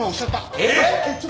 えっ？